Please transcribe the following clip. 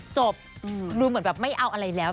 จบดูเหมือนแบบไม่เอาอะไรแล้ว